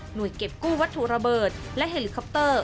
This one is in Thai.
หน่วยเก็บกู้วัตถุระเบิดและเหล็กคัปเตอร์